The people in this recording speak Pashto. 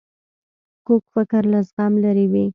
کوږ فکر له زغم لیرې وي